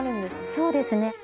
そうですね。